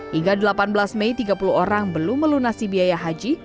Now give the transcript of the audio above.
hingga delapan belas mei tiga puluh orang belum melunasi biaya haji